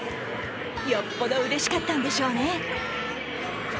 よっぽどうれしかったんでしょうね。